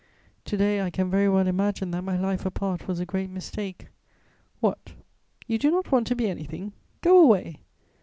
To day I can very well imagine that my life apart was a great mistake. What! You do not want to be anything? Go away!